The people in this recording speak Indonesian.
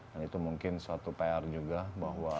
dan itu mungkin suatu pr juga bahwa